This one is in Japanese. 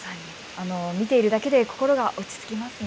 見ているだけで心が落ち着きますね。